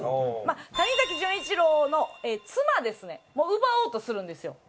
谷崎潤一郎の妻ですねを奪おうとするんですよ。